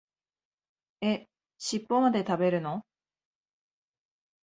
え、しっぽまで食べるの？